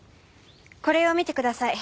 これを見てください。